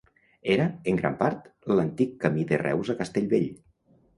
Era, en gran part, l'antic camí de Reus a Castellvell.